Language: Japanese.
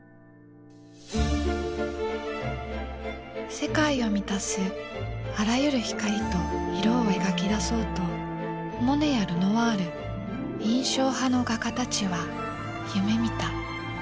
世界を満たすあらゆる光と色を描き出そうとモネやルノワール印象派の画家たちは夢みた。